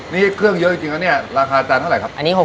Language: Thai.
นี่เครื่องเยอะจริงแล้วเนี่ยราคาจานเท่าไหร่ครับ